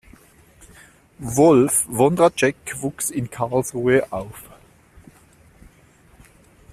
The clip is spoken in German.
Wolf Wondratschek wuchs in Karlsruhe auf.